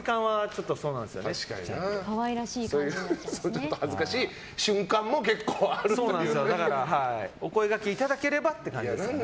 ちょっと恥ずかしい瞬間もお声掛けいただければって感じですね。